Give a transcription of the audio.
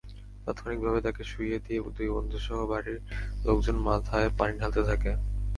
তাৎক্ষণিকভাবে তাঁকে শুইয়ে দিয়ে দুই বন্ধুসহ বাড়ির লোকজন মাথায় পানি ঢালতে থাকে।